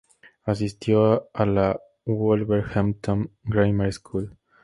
Asistió a la "Wolverhampton Grammar School".